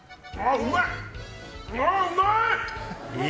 うまい！